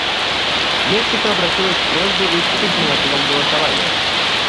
Мексика обратилась с просьбой выступить по мотивам голосования.